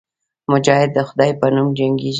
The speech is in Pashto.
مجاهد د خدای په نوم جنګېږي.